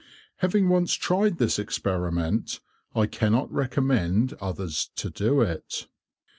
Having once tried this experiment, I cannot recommend others to do it.